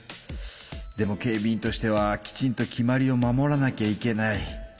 でも警備員としてはきちんと決まりを守らなきゃいけない。